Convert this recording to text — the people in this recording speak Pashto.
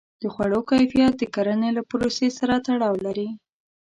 د خوړو کیفیت د کرنې له پروسې سره تړاو لري.